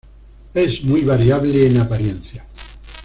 Es muy variable en apariencia.